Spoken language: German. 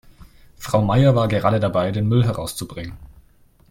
Frau Meier war gerade dabei, den Müll herauszubringen.